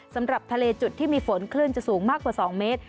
สำหรับทะเลจุดที่มีฝนคลื่นจะสูงมากกว่า๒เมตร